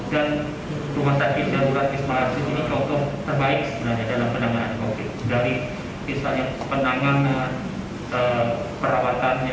dan rumah sakit darurat wisma atlet ini contoh terbaik sebenarnya dalam penanganan covid sembilan belas